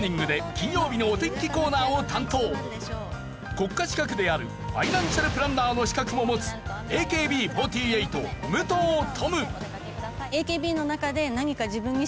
国家資格であるファイナンシャルプランナーの資格も持つＡＫＢ４８武藤十夢。